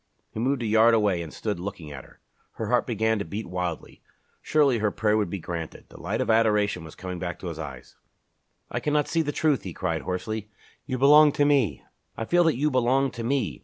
He moved a yard away and stood looking at her. Her heart began to beat wildly. Surely her prayer would be granted! The light of adoration was coming back to his eyes. "I cannot see the truth!" he cried hoarsely. "You belong to me I feel that you belong to me!